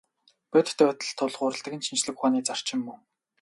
Бодит байдалд тулгуурладаг нь шинжлэх ухааны зарчим мөн.